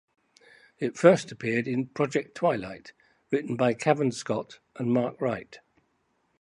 It first appeared in "Project: Twilight", written by Cavan Scott and Mark Wright.